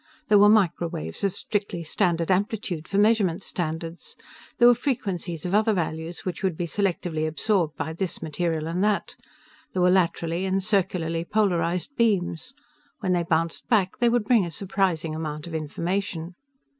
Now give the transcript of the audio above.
There were microwaves of strictly standard amplitude, for measurement standards. There were frequencies of other values, which would be selectively absorbed by this material and that. There were laterally and circularly polarized beams. When they bounced back, they would bring a surprising amount of information.